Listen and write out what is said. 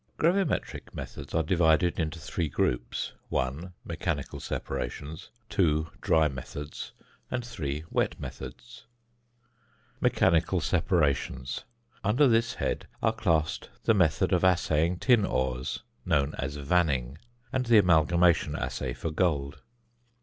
_ Gravimetric methods are divided into three groups: (1) mechanical separations; (2) dry methods; and (3) wet methods. ~Mechanical Separations.~ Under this head are classed the method of assaying tin ores, known as vanning, and the amalgamation assay for gold.